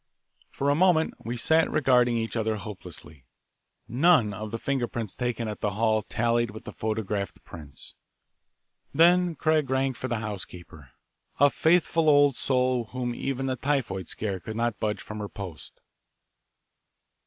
For a moment we sat regarding each other hopelessly. None of the finger prints taken at the hall tallied with the photographed prints. Then Craig rang for the housekeeper, a faithful old soul whom even the typhoid scare could not budge from her post.